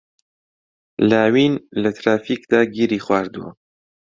لاوین لە ترافیکدا گیری خواردووە.